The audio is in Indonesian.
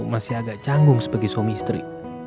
masih agak canggung sebagai suami istri